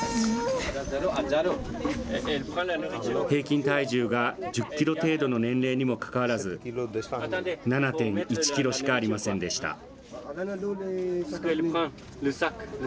平均体重が１０キロ程度の年齢にもかかわらず、７．１キロしかありませんでした。